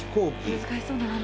難しそうな名前。